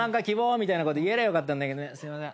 みたいなこと言えりゃよかったんだけどすいません。